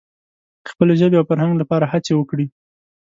د خپلې ژبې او فرهنګ لپاره هڅې وکړي.